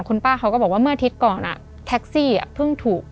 คุณป้าเขาก็บอกว่าเมื่ออาทิตย์ก่อนแท็กซี่เพิ่งถูก